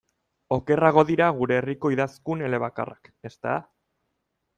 Okerrago dira gure herriko idazkun elebakarrak, ezta?